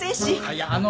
いやあの。